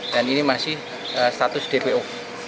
dan ini masih status dpo